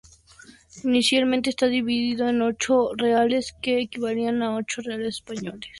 Inicialmente estaba dividido en ocho reales que equivalían a ocho reales españoles.